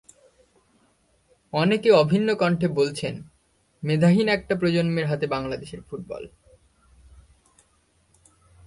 অনেকেই অভিন্ন কণ্ঠে বলছেন, মেধাহীন একটা প্রজন্মের হাতে এখন বাংলাদেশের ফুটবল।